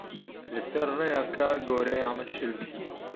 Li ser rêya kar goreya min şil bû.